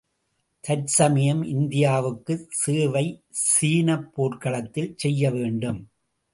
தற்சமயம் இந்தியாவுக்குச்சேவை சீனப் போர்க்களத்தில் செய்யவேண்டும்.